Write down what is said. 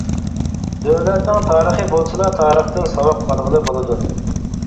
دۆلەتنىڭ تارىخى بولسىلا تارىختىن ساۋاق ئالغىلى بولىدۇ.